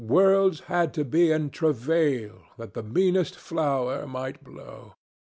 Worlds had to be in travail, that the meanest flower might blow....